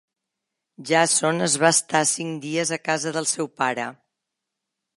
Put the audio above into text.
Jàson es va estar cinc dies a casa del seu pare.